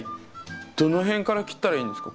どの辺から切ったらいいんですか？